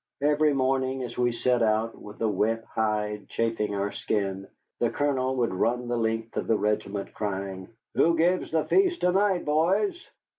Every morning as we set out with the wet hide chafing our skin, the Colonel would run the length of the regiment, crying: "Who gives the feast to night, boys?"